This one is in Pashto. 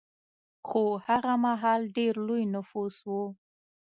خو هغه مهال ډېر لوی نفوس و